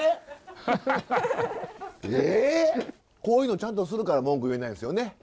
こういうのちゃんとするから文句言えないんですよね。